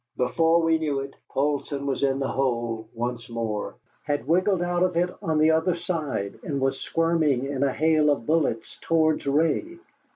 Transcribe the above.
Before we knew it Poulsson was in the hole once more had wriggled out of it on the other side, and was squirming in a hail of bullets towards Ray.